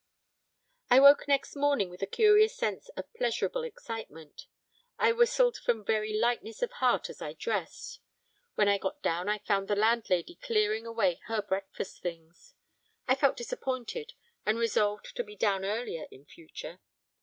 I woke next morning with a curious sense of pleasurable excitement. I whistled from very lightness of heart as I dressed. When I got down I found the landlady clearing away her breakfast things. I felt disappointed and resolved to be down earlier in future.